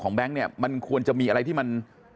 ของแบงก์เนี่ยมันควรจะมีอะไรที่มัน